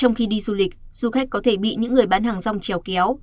trong khi đi du lịch du khách có thể bị những người bán hàng rong trèo kéo